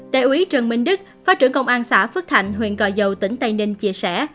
đại úy trần minh đức phó trưởng công an xã phước thạnh huyện gò dầu tỉnh tây ninh chia sẻ